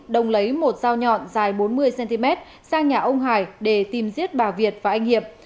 đồng lấy một dao nhọn dài bốn mươi cm sang nhà ông hải để tìm giết bà việt và anh hiệp